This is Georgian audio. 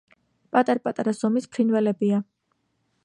პატარ-პატარა ზომის ფრინველებია.